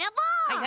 はい！